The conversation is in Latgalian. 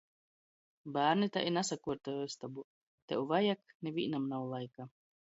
Bārni tai i nasakuortuoja ustobu. Tev vajag. Nivīnam nav laika.